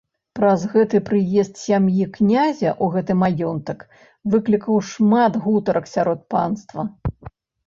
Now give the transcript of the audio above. Праз гэта прыезд сям'і князя ў гэты маёнтак выклікаў шмат гутарак сярод панства.